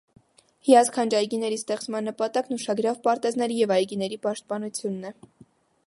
«Հիասքանչ այգիների» ստեղծման նպատակն ուշագրավ պարտեզների և այգիների պաշտպանությունն է։